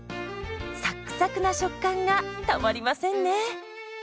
サックサクな食感がたまりませんね。